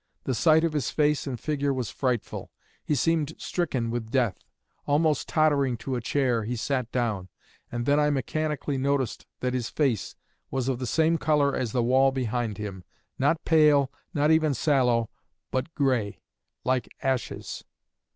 The sight of his face and figure was frightful. He seemed stricken with death. Almost tottering to a chair, he sat down; and then I mechanically noticed that his face was of the same color as the wall behind him not pale, not even sallow, but gray, like ashes.